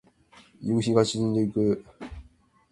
夕日が沈んでいく。